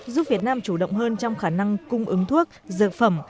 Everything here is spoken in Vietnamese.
giúp việt nam chủ động hơn trong khả năng cung ứng thuốc dược phẩm